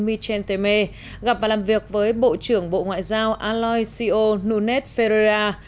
michel temer gặp và làm việc với bộ trưởng bộ ngoại giao aloisio nunes ferreira